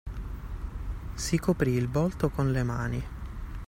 Si coprì il volto con le mani.